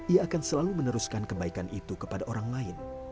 ia akan selalu meneruskan kebaikan itu kepada orang lain